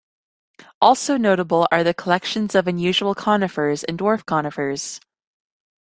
Also notable are the collections of unusual conifers and dwarf conifers.